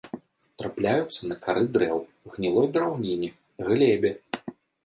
Трапляюцца на кары дрэў, гнілой драўніне, глебе.